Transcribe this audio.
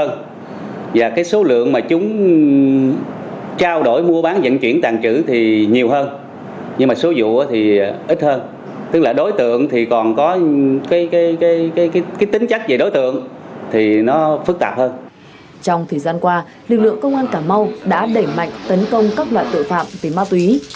trong thời gian qua lực lượng công an cà mau đã đẩy mạnh tấn công các loại tội phạm về ma túy